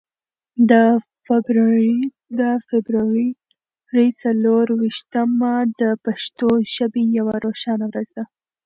د فبرورۍ څلور ویشتمه د پښتو ژبې یوه روښانه ورځ ده.